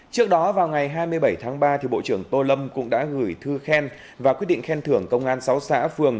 trước đó vào ngày hai mươi bảy tháng ba bộ trưởng tô lâm cũng đã gửi thư khen và quyết định khen thưởng công an sáu xã phường